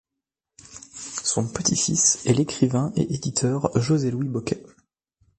Son petit-fils est l'écrivain et éditeur José-Louis Bocquet.